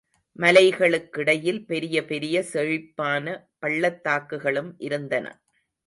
மலைகளுக்கிடையில் பெரிய பெரிய செழிப்பான பள்ளத்தாக்குகளும் இருந்தன.